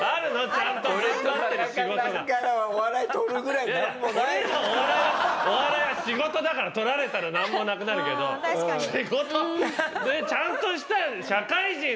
俺らお笑いは仕事だから取られたらなんもなくなるけど仕事ちゃんとした社会人だからあるから！